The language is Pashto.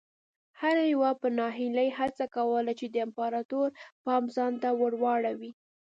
هر یوه په ناهیلۍ هڅه کوله چې د امپراتور پام ځان ته ور واړوي.